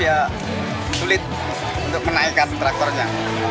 ya sulit untuk menaikkan traktornya